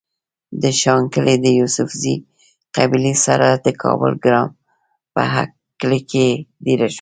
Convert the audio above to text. د شانګلې د يوسفزۍقبيلې سره د کابل ګرام پۀ کلي کې ديره شو